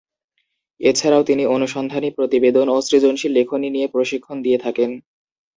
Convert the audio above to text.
এছাড়াও, তিনি অনুসন্ধানী প্রতিবেদন ও সৃজনশীল লেখনী নিয়ে প্রশিক্ষণ দিয়ে থাকেন।